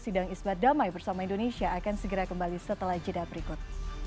sidang isbat damai bersama indonesia akan segera kembali setelah jeda berikut